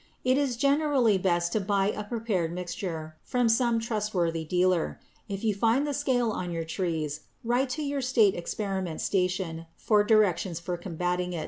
It is generally best to buy a prepared mixture from some trustworthy dealer. If you find the scale on your trees, write to your state experiment station for directions for combating it.